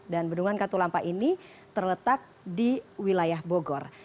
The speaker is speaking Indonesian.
dan bendungan katulampa ini terletak di wilayah bogor